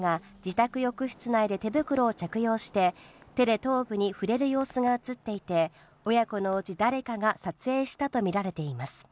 親子の自宅から押収された動画には、何者かが自宅浴室内で手袋を着用して手で頭部に触れる様子が映っていて、親子のうち誰かが撮影したとみられています。